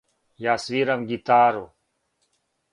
Ја свирам гитару.